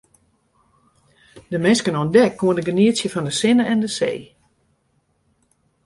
De minsken oan dek koene genietsje fan de sinne en de see.